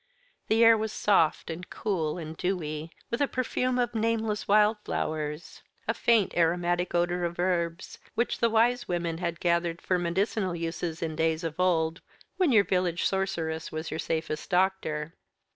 The air was soft and cool and dewy, with a perfume of nameless wild flowers a faint aromatic odour of herbs, which the wise women had gathered for medicinal uses in days of old, when your village sorceress was your safest doctor.